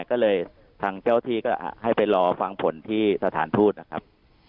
ก็เลยทางเจ้าที่ก็ให้ไปรอฟังผลที่สถานทูตนะครับ